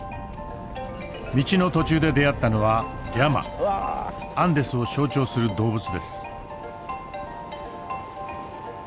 道の途中で出会ったのはアンデスを象徴する動物です。